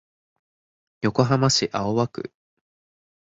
横浜市青葉区